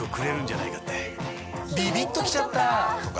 ビビッときちゃった！とか